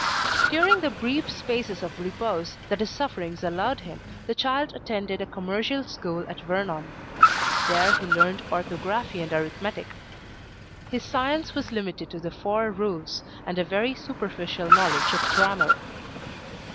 During the brief spaces of repose that his sufferings allowed him, the child attended a commercial school at Vernon. There he learned orthography and arithmetic. His science was limited to the four rules, and a very superficial knowledge of grammar.